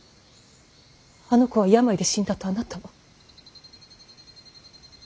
あの子は病で死んだとあなたは。